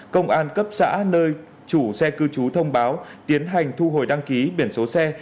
công an cấp xã nơi chủ xe cư trú thông báo tiến hành thu hồi đăng ký biển số xe